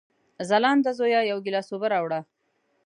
ځلانده زویه، یو ګیلاس اوبه راوړه!